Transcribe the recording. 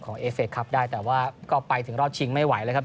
เอเฟคครับได้แต่ว่าก็ไปถึงรอบชิงไม่ไหวแล้วครับ